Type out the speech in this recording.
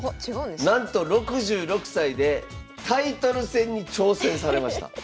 なんと６６歳でタイトル戦に挑戦されました！